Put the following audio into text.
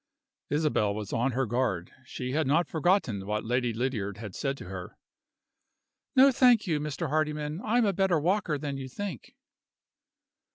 Isabel was on her guard: she had not forgotten what Lady Lydiard had said to her. "No, thank you, Mr. Hardyman; I am a better walker than you think."